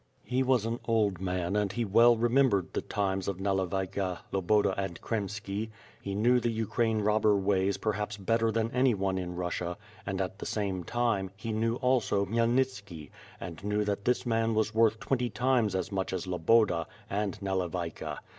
He was an old man and he well remembered the times of Nalevayka, Loboda, and Kremski; he knew the Ukraine rob ber ways perhaps better than any one in Russia, and at the same time, he knew also Khmyelnitski, and knew that this man was worth twenty times as much as Loboda, and Nale vayka.